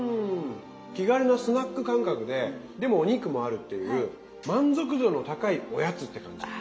気軽なスナック感覚ででもお肉もあるっていう満足度の高いおやつって感じ。